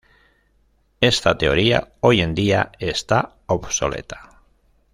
Esta teoría hoy en día está obsoleta.